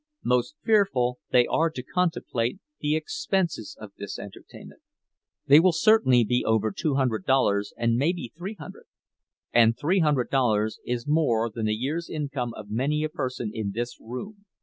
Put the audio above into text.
Most fearful they are to contemplate, the expenses of this entertainment. They will certainly be over two hundred dollars and maybe three hundred; and three hundred dollars is more than the year's income of many a person in this room.